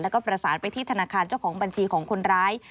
แล้วก็ประสานไปที่ธนาคารเจ้าของบัญชีของคนร้าย